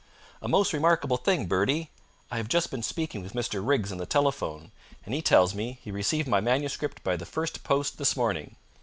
"A most remarkable thing, Bertie! I have just been speaking with Mr. Riggs on the telephone, and he tells me he received my manuscript by the first post this morning.